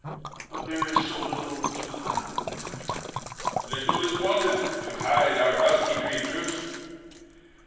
"But there is so little to hide them in winter." "Little is wanted to hide our dusky creatures."